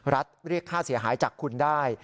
เรียกค่าเสียหายจากคุณได้